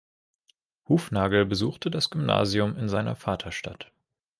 Hufnagel besuchte das Gymnasium in seiner Vaterstadt.